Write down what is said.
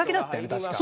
確か。